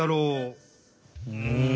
うん。